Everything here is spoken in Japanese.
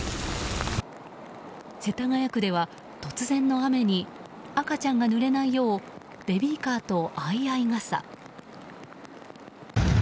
世田谷区では突然の雨に赤ちゃんがぬれないようベビーカーと相合傘。